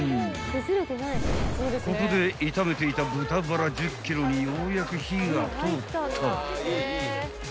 ［ここで炒めていた豚バラ１０ｋｇにようやく火が通った］